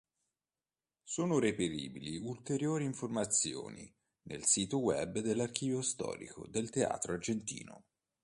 Sono reperibili ulteriori informazioni nel sito web dell'Archivio Storico del Teatro Argentino.